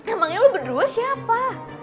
emangnya lo berdua siapa